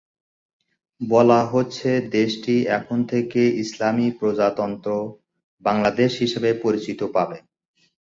বলা হচ্ছে, দেশটি এখন থেকে ইসলামি প্রজাতন্ত্র বাংলাদেশ হিসেবে পরিচিতি পাবে।